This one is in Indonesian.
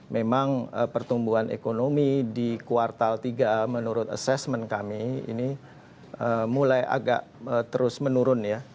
memang pertumbuhan ekonomi di kuartal tiga menurut asesmen kami ini mulai agak terus menurun ya